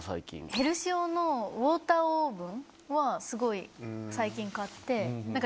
ヘルシオのウォーターオーブンはすごい最近買って。